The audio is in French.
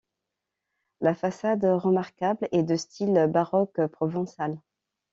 La façade remarquable est de style baroque provençal.